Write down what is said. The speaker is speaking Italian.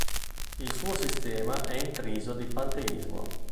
Il suo sistema è intriso di panteismo.